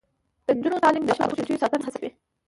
د نجونو تعلیم د شاتو مچیو ساتنه هڅوي.